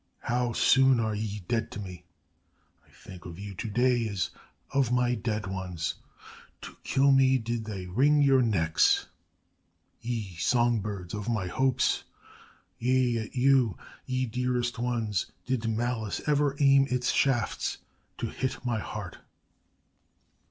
How soon are ye dead to me! I think of you to day as of my dead ones.... To kill me did they wring your necks, ye song birds of my hopes! Yea, at you, ye dearest ones, did malice ever aim its shafts to hit my heart....'